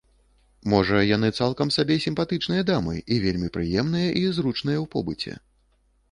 Можа, яны цалкам сабе сімпатычныя дамы і вельмі прыемныя і зручныя ў побыце.